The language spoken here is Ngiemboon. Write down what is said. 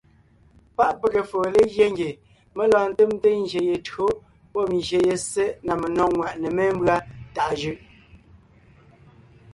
Páʼ pege foo legyɛ́ ngie mé lɔɔn ńtemte ngyè ye tÿǒ pɔ́b ngyè ye ssé na menÿɔ́g ŋwàʼne mémbʉ́a tàʼa jʉʼ.